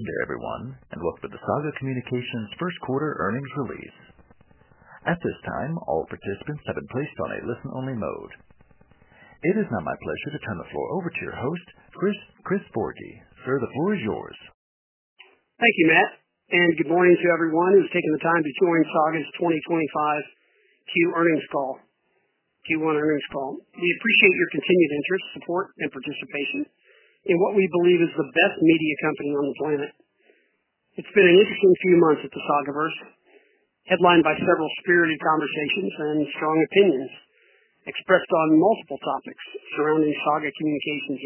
Good evening, everyone, and welcome to the Saga Communications First Quarter Earnings release. At this time, all participants have been placed on a listen-only mode. It is now my pleasure to turn the floor over to your host, Chris Forgy. Sir, the floor is yours. Thank you, Matt. Good morning to everyone who's taking the time to join Saga's 2025 Q1 Earnings Call. We appreciate your continued interest, support, and participation in what we believe is the best media company on the planet. It's been an interesting few months at the Sagaverse, headlined by several spirited conversations and strong opinions expressed on multiple topics surrounding Saga Communications.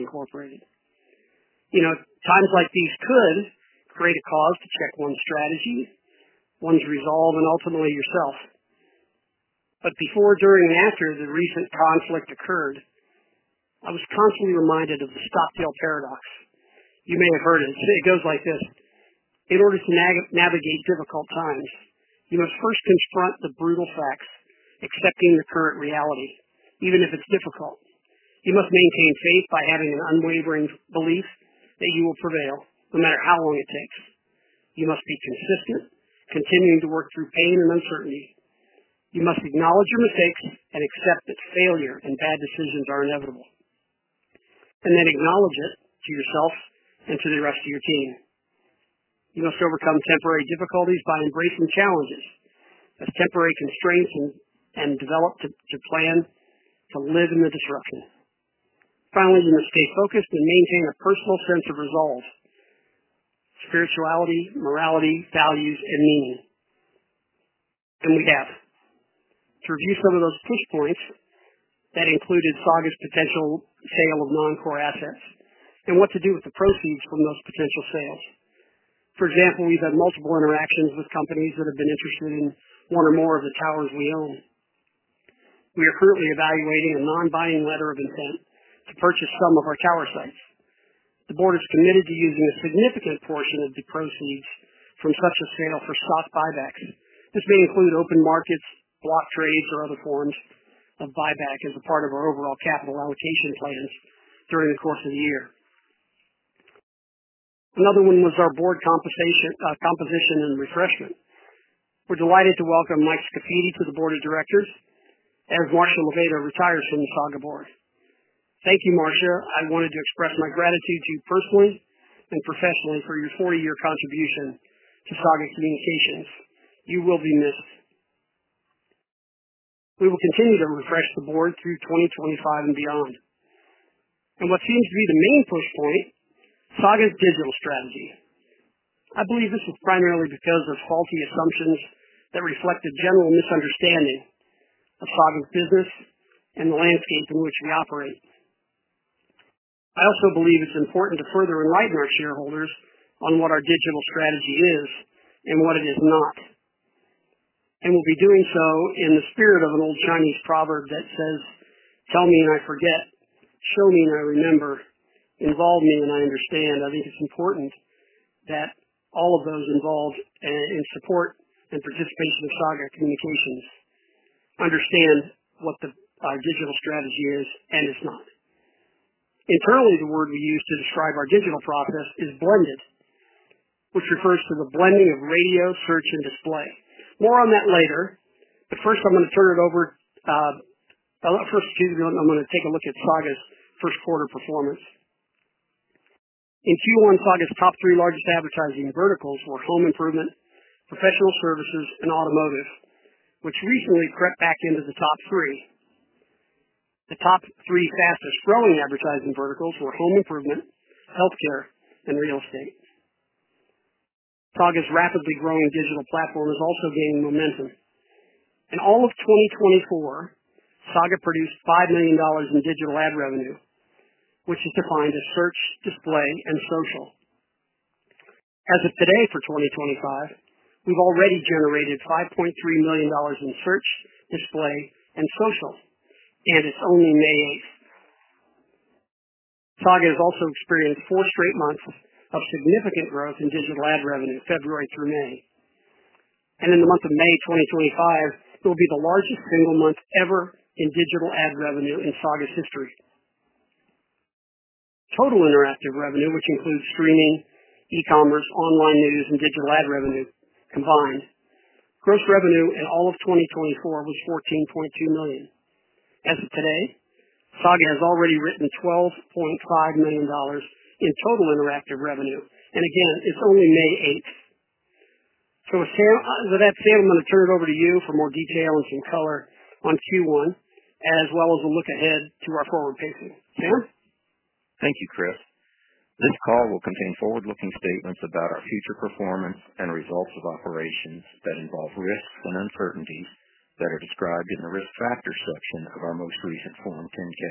Times like these could create a cause to check one's strategy, one's resolve, and ultimately yourself. Before, during, and after the recent conflict occurred, I was constantly reminded of the Stockdale Paradox. You may have heard it. It goes like this: In order to navigate difficult times, you must first confront the brutal facts, accepting the current reality, even if it's difficult. You must maintain faith by having an unwavering belief that you will prevail, no matter how long it takes. You must be consistent, continuing to work through pain and uncertainty. You must acknowledge your mistakes and accept that failure and bad decisions are inevitable, and then acknowledge it to yourself and to the rest of your team. You must overcome temporary difficulties by embracing challenges as temporary constraints and develop a plan to live in the disruption. Finally, you must stay focused and maintain a personal sense of resolve, spirituality, morality, values, and meaning. We have to review some of those push points that included Saga's potential sale of non-core assets and what to do with the proceeds from those potential sales. For example, we've had multiple interactions with companies that have been interested in one or more of the towers we own. We are currently evaluating a non-binding letter of intent to purchase some of our tower sites. The board is committed to using a significant portion of the proceeds from such a sale for stock buybacks. This may include open markets, block trades, or other forms of buyback as a part of our overall capital allocation plans during the course of the year. Another one was our board composition and refreshment. We're delighted to welcome Mike Scafidi to the board of directors as Marcia Lobaito retires from the Saga board. Thank you, Marcia. I wanted to express my gratitude to you personally and professionally for your 40-year contribution to Saga Communications. You will be missed. We will continue to refresh the board through 2025 and beyond. What seems to be the main push point? Saga's digital strategy. I believe this is primarily because of faulty assumptions that reflect a general misunderstanding of Saga's business and the landscape in which we operate. I also believe it's important to further enlighten our shareholders on what our digital strategy is and what it is not. We'll be doing so in the spirit of an old Chinese proverb that says, "Tell me and I forget. Show me and I remember. Involve me and I understand." I think it's important that all of those involved in support and participation of Saga Communications understand what our digital strategy is and is not. Internally, the word we use to describe our digital process is Blended, which refers to the blending of radio, search, and display. More on that later. First, I'm going to take a look at Saga's first quarter performance. In Q1, Saga's top three largest advertising verticals were home improvement, professional services, and automotive, which recently crept back into the top three. The top three fastest-growing advertising verticals were home improvement, healthcare, and real estate. Saga's rapidly growing digital platform is also gaining momentum. In all of 2024, Saga produced $5 million in digital ad revenue, which is defined as search, display, and social. As of today for 2025, we've already generated $5.3 million in search, display, and social, and it's only May 8th. Saga has also experienced four straight months of significant growth in digital ad revenue, February through May. In the month of May 2025, it will be the largest single month ever in digital ad revenue in Saga's history. Total interactive revenue, which includes streaming, e-commerce, online news, and digital ad revenue combined, gross revenue in all of 2024 was $14.2 million. As of today, Saga has already written $12.5 million in total interactive revenue. Again, it's only May 8th. With that, Sam, I'm going to turn it over to you for more detail and some color on Q1, as well as a look ahead to our forward pacing. Sam? Thank you, Chris. This call will contain forward-looking statements about our future performance and results of operations that involve risks and uncertainties that are described in the risk factor section of our most recent Form 10-K.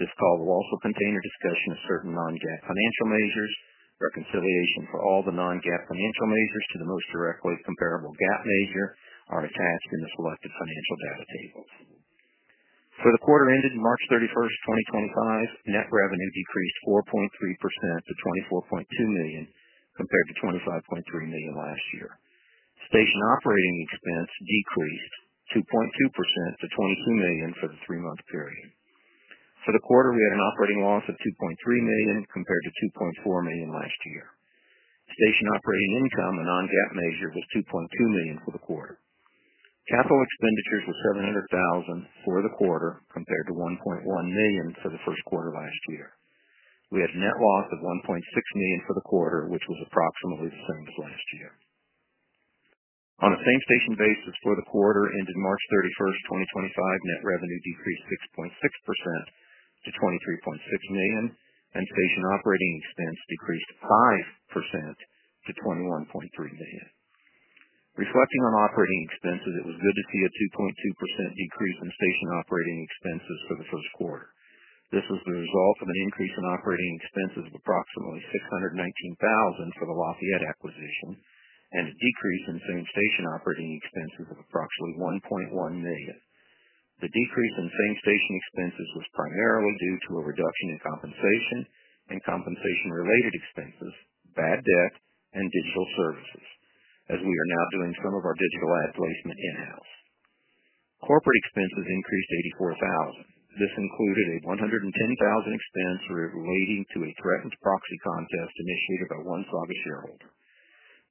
This call will also contain a discussion of certain non-GAAP financial measures. Reconciliation for all the non-GAAP financial measures to the most directly comparable GAAP measure are attached in the selected financial data tables. For the quarter ended March 31, 2025, net revenue decreased 4.3% to $24.2 million compared to $25.3 million last year. Station operating expense decreased 2.2% to $22 million for the three-month period. For the quarter, we had an operating loss of $2.3 million compared to $2.4 million last year. Station operating income, a non-GAAP measure, was $2.2 million for the quarter. Capital expenditures were $700,000 for the quarter compared to $1.1 million for the first quarter last year. We had a net loss of $1.6 million for the quarter, which was approximately the same as last year. On a same station basis for the quarter ended March 31, 2025, net revenue decreased 6.6% to $23.6 million, and station operating expense decreased 5% to $21.3 million. Reflecting on operating expenses, it was good to see a 2.2% decrease in station operating expenses for the first quarter. This was the result of an increase in operating expenses of approximately $619,000 for the Lafayette acquisition and a decrease in same station operating expenses of approximately $1.1 million. The decrease in same station expenses was primarily due to a reduction in compensation and compensation-related expenses, bad debt, and digital services, as we are now doing some of our digital ad placement in-house. Corporate expenses increased $84,000. This included a $110,000 expense relating to a threatened proxy contest initiated by one Saga shareholder.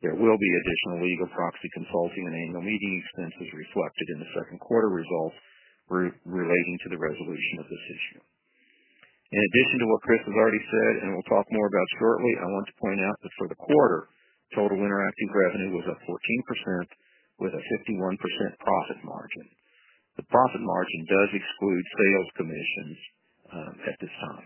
There will be additional legal proxy consulting and annual meeting expenses reflected in the second quarter results relating to the resolution of this issue. In addition to what Chris has already said, and we will talk more about shortly, I want to point out that for the quarter, total interactive revenue was up 14% with a 51% profit margin. The profit margin does exclude sales commissions at this time.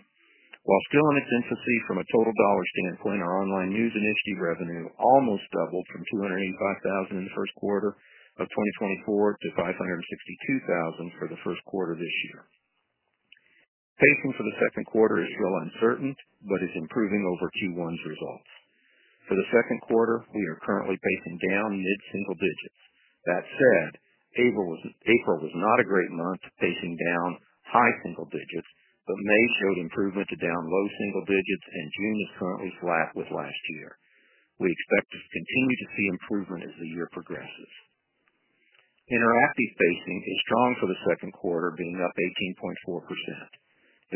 While still in its infancy from a total dollar standpoint, our online news initiative revenue almost doubled from $285,000 in the first quarter of 2024 to $562,000 for the first quarter this year. Pacing for the second quarter is still uncertain but is improving over Q1's results. For the second quarter, we are currently pacing down mid-single digits. That said, April was not a great month pacing down high single digits, but May showed improvement to down low single digits, and June is currently flat with last year. We expect to continue to see improvement as the year progresses. Interactive pacing is strong for the second quarter, being up 18.4%.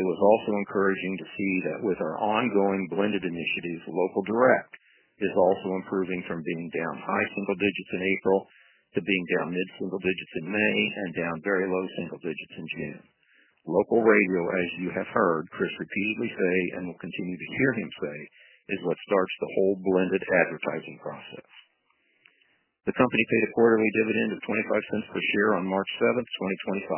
It was also encouraging to see that with our ongoing blended initiatives, local direct is also improving from being down high single digits in April to being down mid-single digits in May and down very low single digits in June. Local radio, as you have heard Chris repeatedly say and will continue to hear him say, is what starts the whole blended advertising process. The company paid a quarterly dividend of $0.25 per share on March 7, 2025.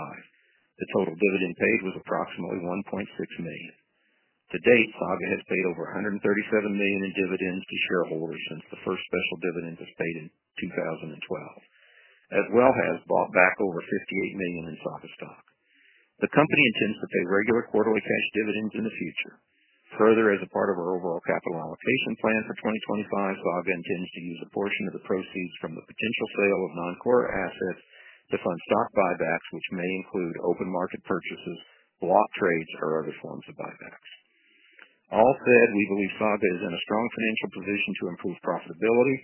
The total dividend paid was approximately $1.6 million. To date, Saga has paid over $137 million in dividends to shareholders since the first special dividend was paid in 2012, as well as bought back over $58 million in Saga stock. The company intends to pay regular quarterly cash dividends in the future. Further, as a part of our overall capital allocation plan for 2025, Saga intends to use a portion of the proceeds from the potential sale of non-core assets to fund stock buybacks, which may include open market purchases, block trades, or other forms of buybacks. All said, we believe Saga is in a strong financial position to improve profitability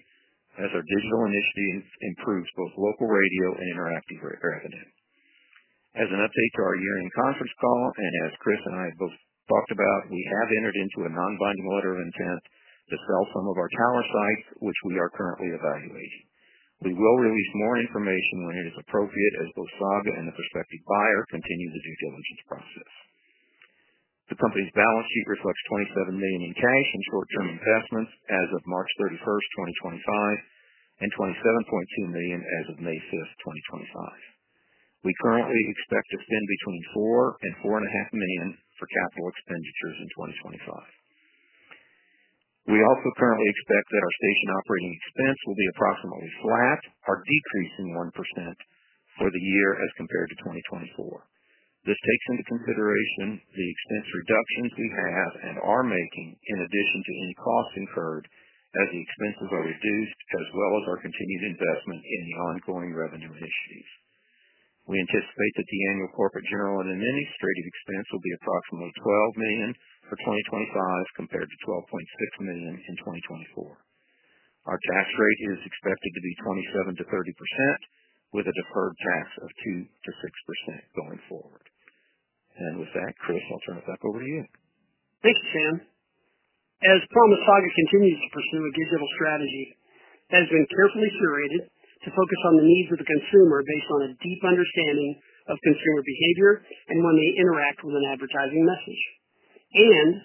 as our digital initiative improves both local radio and interactive revenue. As an update to our year-end conference call, and as Chris and I have both talked about, we have entered into a non-binding letter of intent to sell some of our tower sites, which we are currently evaluating. We will release more information when it is appropriate as both Saga and the prospective buyer continue the due diligence process. The company's balance sheet reflects $27 million in cash and short-term investments as of March 31, 2025, and $27.2 million as of May 5, 2025. We currently expect to spend between $4 million and $4.5 million for capital expenditures in 2025. We also currently expect that our station operating expense will be approximately flat or decrease in 1% for the year as compared to 2024. This takes into consideration the expense reductions we have and are making in addition to any costs incurred as the expenses are reduced, as well as our continued investment in the ongoing revenue initiatives. We anticipate that the annual corporate general and administrative expense will be approximately $12 million for 2025 compared to $12.6 million in 2024. Our tax rate is expected to be 27%-30% with a deferred tax of 2%-6% going forward. With that, Chris, I'll turn it back over to you. Thank you, Sam. As promised, Saga continues to pursue a digital strategy that has been carefully curated to focus on the needs of the consumer based on a deep understanding of consumer behavior and when they interact with an advertising message and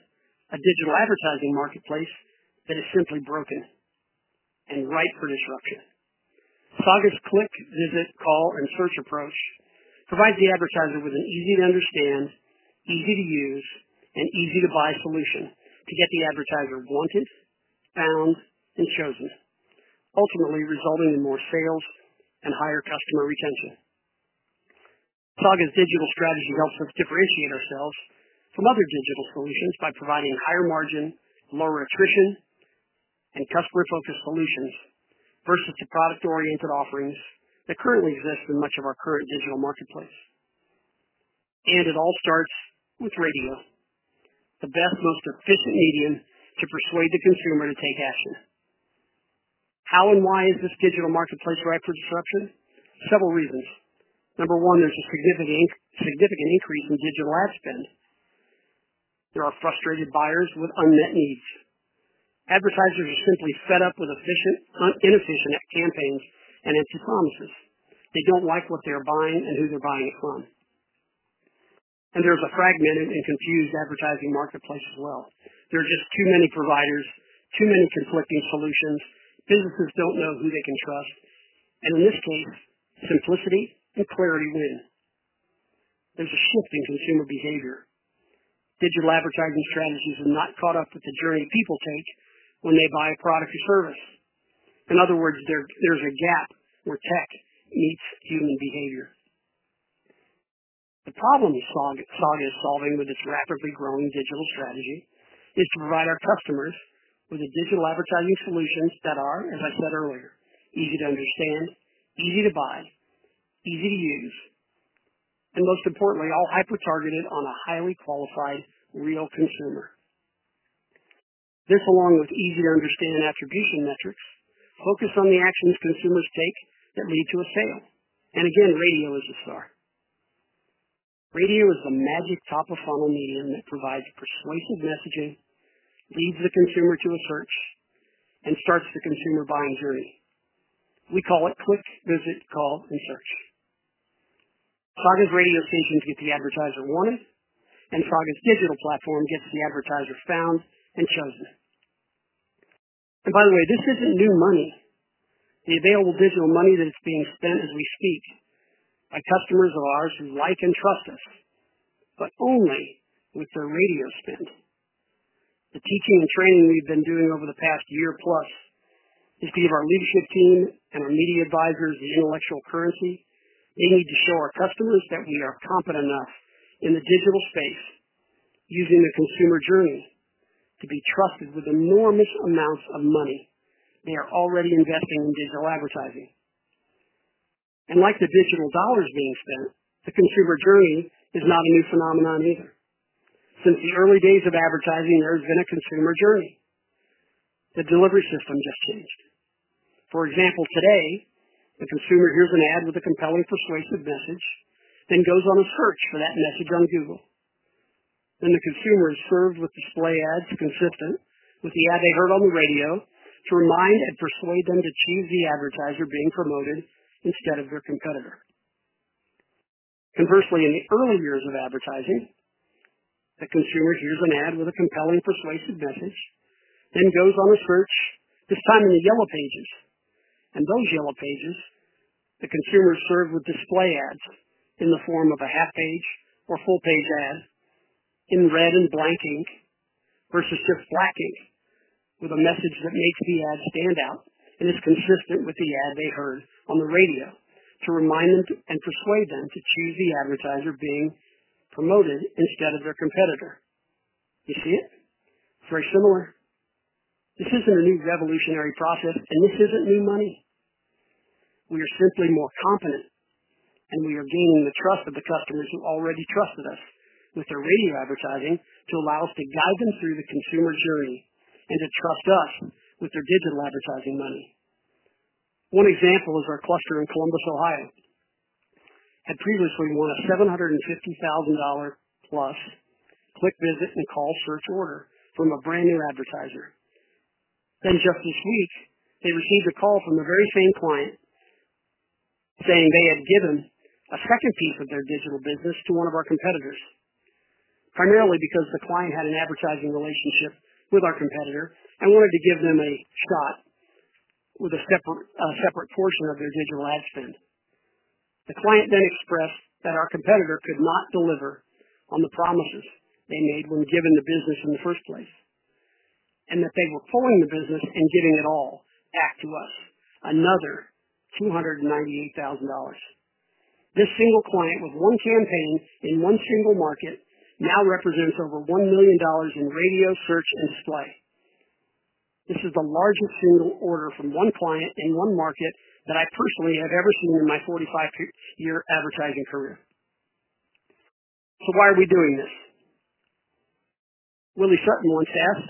a digital advertising marketplace that is simply broken and ripe for disruption. Saga's Click, Visit, Call, and Search approach provides the advertiser with an easy-to-understand, easy-to-use, and easy-to-buy solution to get the advertiser wanted, found, and chosen, ultimately resulting in more sales and higher customer retention. Saga's digital strategy helps us differentiate ourselves from other digital solutions by providing higher margin, lower attrition, and customer-focused solutions versus the product-oriented offerings that currently exist in much of our current digital marketplace. It all starts with radio, the best, most efficient medium to persuade the consumer to take action. How and why is this digital marketplace ripe for disruption? Several reasons. Number one, there is a significant increase in digital ad spend. There are frustrated buyers with unmet needs. Advertisers are simply fed up with inefficient ad campaigns and empty promises. They do not like what they are buying and who they are buying it from. There is a fragmented and confused advertising marketplace as well. There are just too many providers, too many conflicting solutions. Businesses don't know who they can trust. In this case, simplicity and clarity win. There's a shift in consumer behavior. Digital advertising strategies have not caught up with the journey people take when they buy a product or service. In other words, there's a gap where tech meets human behavior. The problem Saga is solving with its rapidly growing digital strategy is to provide our customers with digital advertising solutions that are, as I said earlier, easy to understand, easy to buy, easy to use, and most importantly, all hyper-targeted on a highly qualified, real consumer. This, along with easy-to-understand attribution metrics, focuses on the actions consumers take that lead to a sale. Radio is the star. Radio is the magic top-of-funnel medium that provides persuasive messaging, leads the consumer to a search, and starts the consumer buying journey. We call it click, visit, call, and search. Saga's Radio Stations get the advertiser wanted, and Saga's Digital platform gets the advertiser found and chosen. By the way, this is not new money. The available digital money that is being spent as we speak by customers of ours who like and trust us, but only with their radio spend. The teaching and training we have been doing over the past year plus is to give our leadership team and our media advisors the intellectual currency they need to show our customers that we are competent enough in the digital space using the consumer journey to be trusted with enormous amounts of money they are already investing in digital advertising. Like the digital dollars being spent, the consumer journey is not a new phenomenon either. Since the early days of advertising, there has been a consumer journey. The delivery system just changed. For example, today, the consumer hears an ad with a compelling, persuasive message, then goes on a search for that message on Google. The consumer is served with display ads consistent with the ad they heard on the radio to remind and persuade them to choose the advertiser being promoted instead of their competitor. Conversely, in the early years of advertising, the consumer hears an ad with a compelling, persuasive message, then goes on a search, this time in the Yellow Pages. Those yellow pages, the consumer is served with display ads in the form of a half-page or full-page ad in red and black ink versus just black ink with a message that makes the ad stand out and is consistent with the ad they heard on the radio to remind them and persuade them to choose the advertiser being promoted instead of their competitor. You see it? Very similar. This is not a new revolutionary process, and this is not new money. We are simply more competent, and we are gaining the trust of the customers who already trusted us with their radio advertising to allow us to guide them through the consumer journey and to trust us with their digital advertising money. One example is our cluster in Columbus, Ohio. Had previously won a $750,000-plus Click, Visit, Call, and Search order from a brand new advertiser. Just this week, they received a call from the very same client saying they had given a second piece of their digital business to one of our competitors, primarily because the client had an advertising relationship with our competitor and wanted to give them a shot with a separate portion of their digital ad spend. The client then expressed that our competitor could not deliver on the promises they made when given the business in the first place and that they were pulling the business and giving it all back to us, another $298,000. This single client with one campaign in one single market now represents over $1 million in radio, search, and display. This is the largest single order from one client in one market that I personally have ever seen in my 45-year advertising career. Why are we doing this? Willie Sutton once asked,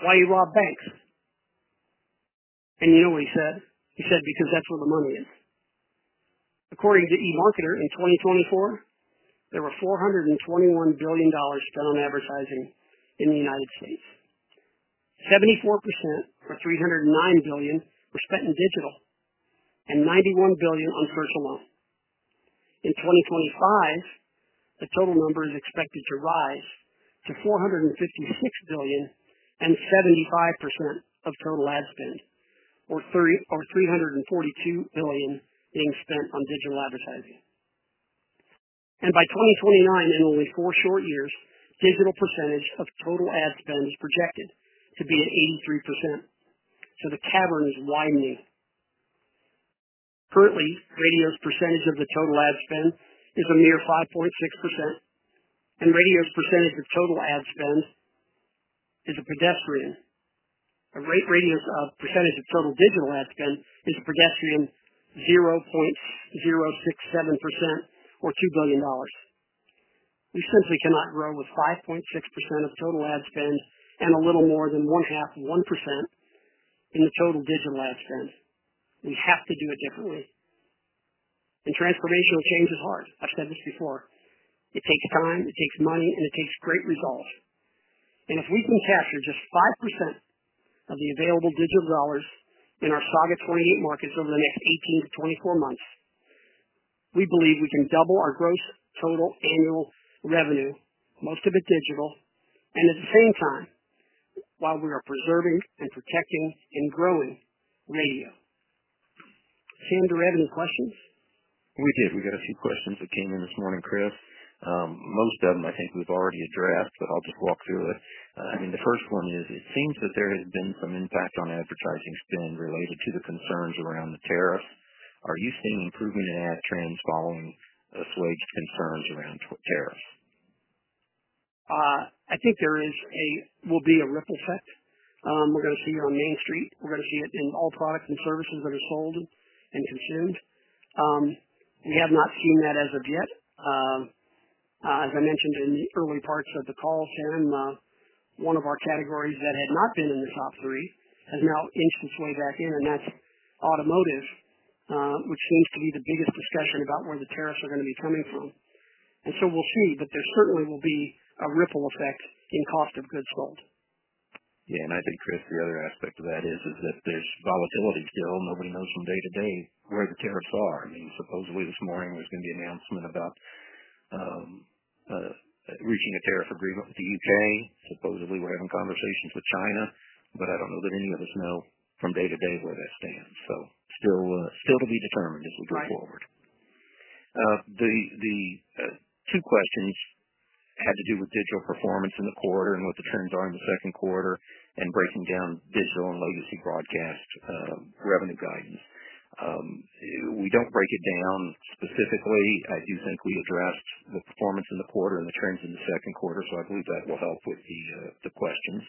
"Why are you robbing banks?" You know what he said? He said, "Because that's where the money is." According to eMarketer, in 2024, there were $421 billion spent on advertising in the United States. 74% or $309 billion were spent in digital and $91 billion on search alone. In 2025, the total number is expected to rise to $456 billion and 75% of total ad spend, or $342 billion, being spent on digital advertising. By 2029, in only four short years, the digital percentage of total ad spend is projected to be at 83%. The cavern is widening. Currently, radio's percentage of the total ad spend is a mere 5.6%, and radio's percentage of total ad spend is a pedestrian. Radio's percentage of total digital ad spend is a pedestrian 0.067% or $2 billion. We simply cannot grow with 5.6% of total ad spend and a little more than one-half, 1%, in the total digital ad spend. We have to do it differently. Transformational change is hard. I've said this before. It takes time. It takes money. It takes great results. If we can capture just 5% of the available digital dollars in our Saga 28 markets over the next 18-24 months, we believe we can double our gross total annual revenue, most of it digital, at the same time while we are preserving and protecting and growing radio. Sam, do we have any questions? We did. We got a few questions that came in this morning, Chris. Most of them, I think, we've already addressed, but I'll just walk through it. I mean, the first one is, it seems that there has been some impact on advertising spend related to the concerns around the tariffs. Are you seeing improvement in ad trends following assuaged concerns around tariffs? I think there will be a ripple effect. We're going to see it on Main Street. We're going to see it in all products and services that are sold and consumed. We have not seen that as of yet. As I mentioned in the early parts of the call, Sam, one of our categories that had not been in the top three has now inched its way back in, and that's automotive, which seems to be the biggest discussion about where the tariffs are going to be coming from. We'll see, but there certainly will be a ripple effect in cost of goods sold. Yeah. I think, Chris, the other aspect of that is that there's volatility still. Nobody knows from day to day where the tariffs are. I mean, supposedly this morning, there's going to be an announcement about reaching a tariff agreement with the U.K. Supposedly, we're having conversations with China, but I don't know that any of us know from day to day where that stands. Still to be determined as we go forward. The two questions had to do with digital performance in the quarter and what the trends are in the second quarter and breaking down digital and legacy broadcast revenue guidance. We don't break it down specifically. I do think we addressed the performance in the quarter and the trends in the second quarter, so I believe that will help with the questions.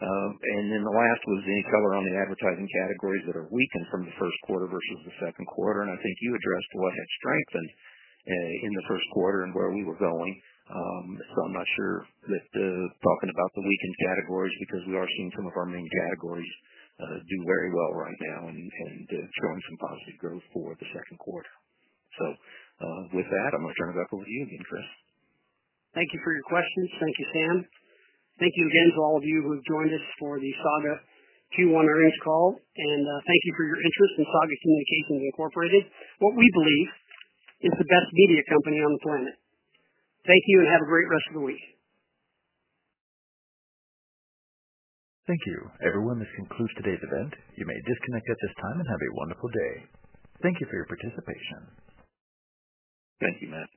The last was any color on the advertising categories that are weakened from the first quarter versus the second quarter. I think you addressed what had strengthened in the first quarter and where we were going. I am not sure that talking about the weakened categories because we are seeing some of our main categories do very well right now and showing some positive growth for the second quarter. With that, I am going to turn it back over to you again, Chris. Thank you for your questions. Thank you, Sam. Thank you again to all of you who have joined us for the Saga Q1 earnings call. Thank you for your interest in Saga Communications, what we believe is the best media company on the planet. Thank you and have a great rest of the week. Thank you. Everyone, this concludes today's event. You may disconnect at this time and have a wonderful day. Thank you for your participation. Thank you, Matt.